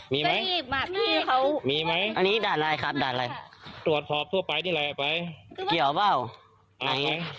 มีไหมมีไหมอันนี้ด่านอะไรครับด่านยังไง